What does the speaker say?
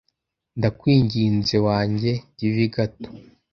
Ndakwinginze wange TV gato?